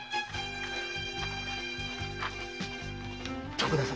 徳田様。